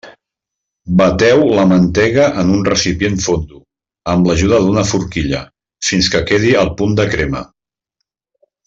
Bateu la mantega en un recipient fondo, amb l'ajuda d'una forquilla, fins que quedi al punt de crema.